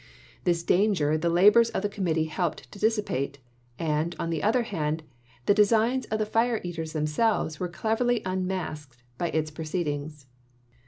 This danger the labors of the Committee helped to dissipate, and, on the other hand, the designs of the fire eaters themselves were cleverly unmasked by its proceedings.